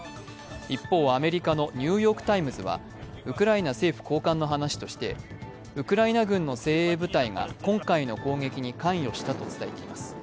一方、アメリカの「ニューヨーク・タイムズ」はウクライナ政府高官の話としてウクライナ軍の精鋭部隊が今回の攻撃に関与したと伝えています。